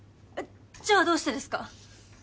じゃあどうしてですか？